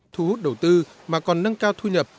thu hút đầu tư mà còn nâng cao thu nhập